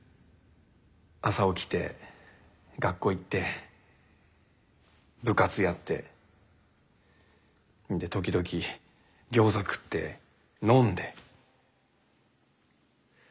朝起きて学校行って部活やって時々餃子食って飲んで。